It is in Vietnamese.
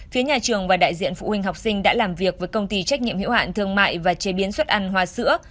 phía nhà trường và đại diện phụ huynh học sinh đã làm việc với công ty trách nhiệm hiệu hạn thương mại và chế biến xuất ăn hoa sữa